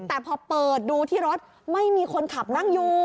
แต่พอเปิดดูที่รถไม่มีคนขับนั่งอยู่